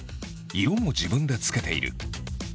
色も自分でつけている。